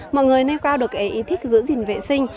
mọi người nêu cao được cái ý thức giữ gìn vệ sinh